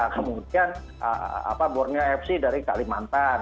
kemudian borneo fc dari kalimantan